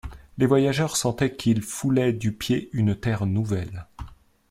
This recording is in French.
Les voyageurs sentaient qu’ils foulaient du pied une terre nouvelle.